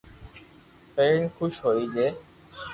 پيرين خوس ھوئي جي